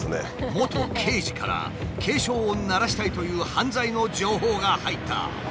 元刑事から警鐘を鳴らしたいという犯罪の情報が入った。